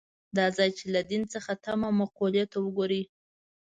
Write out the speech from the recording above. دا ځای چې له دین څخه تمه مقولې ته وګوري.